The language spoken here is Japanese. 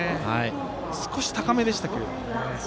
少し高めでしたけどね。